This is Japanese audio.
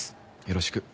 よろしく。